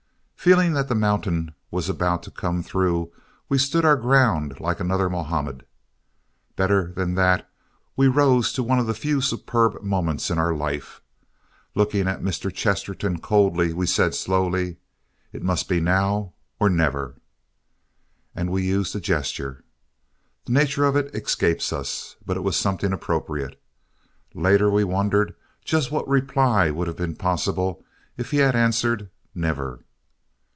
Feeling that the mountain was about to come through we stood our ground like another Mahomet. Better than that we rose to one of the few superb moments in our life. Looking at Mr. Chesterton coldly we said slowly, "It must be now or never." And we used a gesture. The nature of it escapes us, but it was something appropriate. Later we wondered just what reply would have been possible if he had answered, "Never."